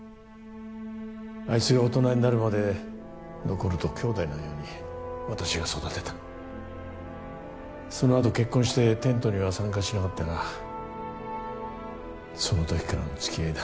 あいつが大人になるまでノコルと兄弟のように私が育てたそのあと結婚してテントには参加しなかったがその時からのつきあいだ